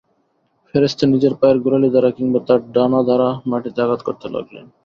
ফেরেশতা নিজের পায়ের গোড়ালি দ্বারা কিংবা তার ডানা দ্বারা মাটিতে আঘাত করতে লাগলেন।